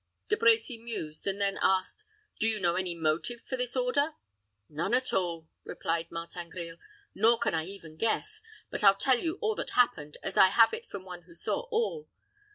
De Brecy mused, and then asked, "Do you know any motive for this order?" "None at all," replied Martin Grille; "nor can I even guess. But I'll tell you all that happened, as I have it from one who saw all.